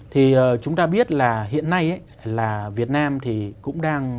thì chúng ta biết là hiện nay là việt nam thì cũng đang